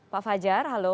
pak fajar halo